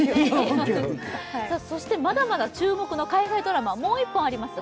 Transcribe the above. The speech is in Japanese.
まだまだ注目の海外ドラマ、もう１本あります。